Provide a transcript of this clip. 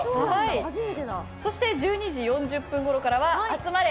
そして１２時４０分ごろからはあつまれ！